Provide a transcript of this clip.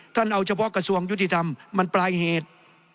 เอาเฉพาะกระทรวงยุติธรรมมันปลายเหตุ